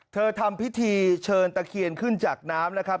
ทำพิธีเชิญตะเคียนขึ้นจากน้ำนะครับ